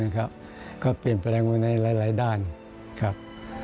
ก็เปลี่ยนแปลงไว้ในหลายด้านครับ